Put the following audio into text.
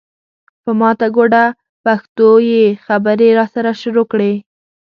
په ماته ګوډه پښتو یې خبرې راسره شروع کړې.